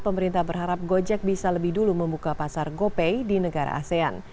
pemerintah berharap gojek bisa lebih dulu membuka pasar gopay di negara asean